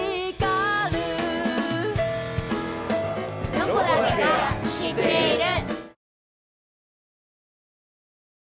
「ロコだけが知っている」。